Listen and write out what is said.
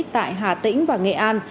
tại hà tĩnh và nghệ an